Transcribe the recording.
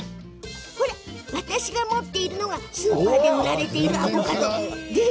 私が持っているのがスーパーで売られているアボカド。